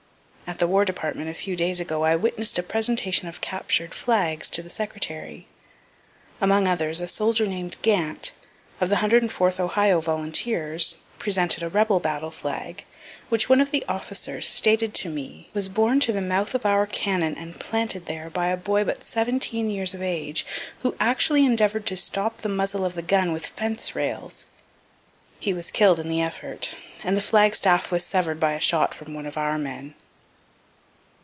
At the War department, a few days ago, I witness'd a presentation of captured flags to the Secretary. Among others a soldier named Gant, of the 104th Ohio volunteers, presented a rebel battle flag, which one of the officers stated to me was borne to the mouth of our cannon and planted there by a boy but seventeen years of age, who actually endeavor'd to stop the muzzle of the gun with fence rails. He was kill'd in the effort, and the flag staff was sever'd by a shot from one of our men.